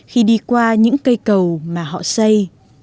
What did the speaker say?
khi đi qua những cây cầu mà họ xây